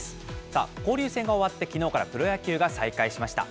さあ、交流戦が終わって、きのうからプロ野球が再開しました。